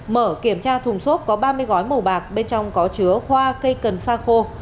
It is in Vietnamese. mở kiểm tra thùng xốp có ba mươi gói màu bạc bên trong có chứa hoa cây cần sa khô